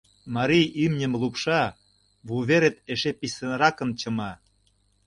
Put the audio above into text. Марий имньым лупша, вуверет эше писынрак чыма.